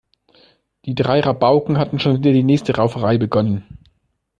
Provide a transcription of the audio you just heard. Die drei Rabauken hatten schon wieder die nächste Rauferei begonnen.